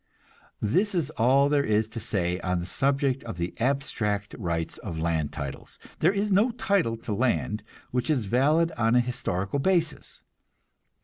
This is all there is to say on the subject of the abstract rights of land titles. There is no title to land which is valid on a historical basis.